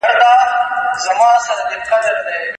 غوړولی یې په ملک کي امنیت وو